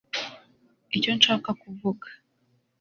icyo nshaka kuvuga